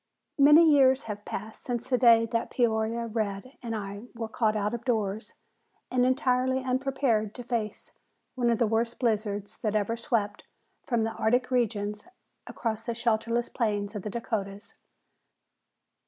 Many years have passed since the day that "Peoria Red" and I were caught out of doors and entirely unprepared to face one of the worst blizzards that ever swept down from the Arctic regions across the shelterless plains of the Dakotas.